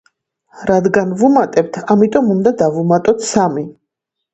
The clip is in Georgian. რადგან ვუმატებთ, ამიტომ უნდა დავუმატოთ სამი.